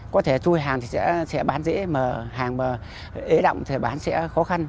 có thể chui hàng thì sẽ bán dễ mà hàng mà ế động thì bán sẽ khó khăn